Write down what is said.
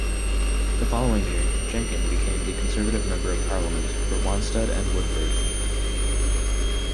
The following year, Jenkin became the Conservative Member of Parliament for Wanstead and Woodford.